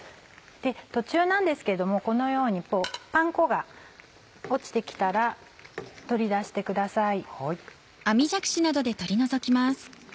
途中なんですけどもこのようにパン粉が落ちて来たら取り出してください。